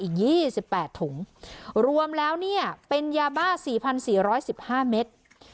อีกยี่สิบแปดถุงรวมแล้วเนี่ยเป็นยาบ้าสี่พันสี่ร้อยสิบห้าเมตร